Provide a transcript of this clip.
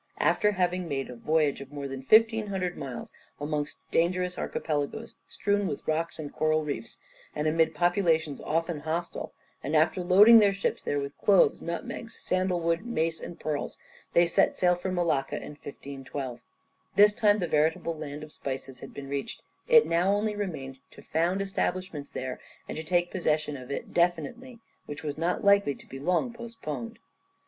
After having made a voyage of more than 1500 miles amongst dangerous archipelagos strewn with rocks and coral reefs, and amidst populations often hostile, and after loading their ships there with cloves, nutmegs, sandal wood, mace, and pearls, they set sail for Malacca in 1512. This time the veritable land of spices had been reached, it now only remained to found establishments there and to take possession of it definitely, which was not likely to be long postponed.